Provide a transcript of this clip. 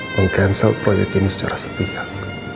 meng cancel proyek ini secara sepihak